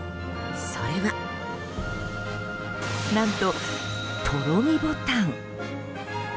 それは何と、とろみボタン。